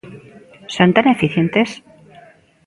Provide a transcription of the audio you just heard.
¿Son tan eficientes?